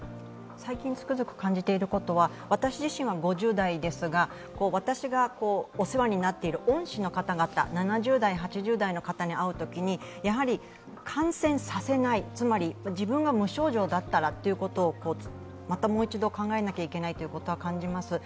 最近、つくづく感じていることは私自身は５０代ですが私がお世話になっている恩師の方々、７０代、８０代の方に会うときにやはり感染させない、つまり自分が無症状だったらということをまたもう一度考えなきゃいけないということは感じます。